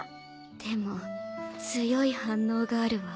でも強い反応があるわ。